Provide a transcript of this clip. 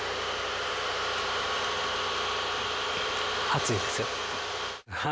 熱いですよ。